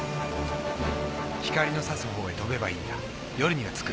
光の指すほうへ飛べばいいんだ夜には着く。